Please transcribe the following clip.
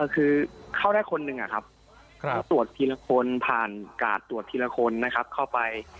คือเข้าได้คนหนึ่งคือตรวจทีละคนผ่านกาดตรวจทีละคนนะครับเข้าไป